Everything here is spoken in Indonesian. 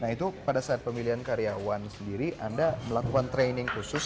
nah itu pada saat pemilihan karyawan sendiri anda melakukan training khusus